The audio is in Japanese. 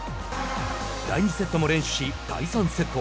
第２セットも連取し第３セット。